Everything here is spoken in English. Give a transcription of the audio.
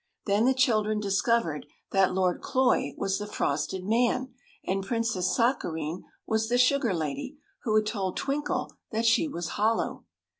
Then the children discovered that Lord Cloy was the frosted man and Princess Sakareen was the sugar lady who had told Twinkle that she was hollow.